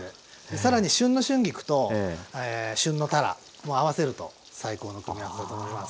更に旬の春菊とえ旬のたらも合わせると最高の組み合わせだと思います。